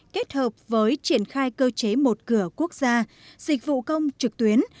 kết hợp với triển khai cơ chế một cửa quốc gia dịch vụ công trực tuyến